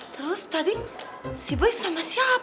terus tadi si boy sama siapa